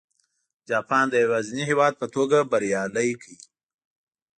جاپان د یوازیني هېواد په توګه بریالی کړ.